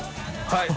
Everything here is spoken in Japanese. はい。